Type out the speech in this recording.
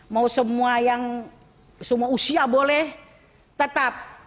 mau semua yang semua usia boleh tetap